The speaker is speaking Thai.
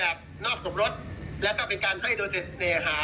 และก็เป็นการให้โดนเสน่หา